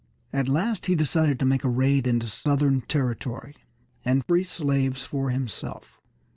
At last he decided to make a raid into Southern territory, and free slaves for himself.